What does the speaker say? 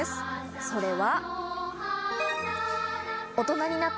それは。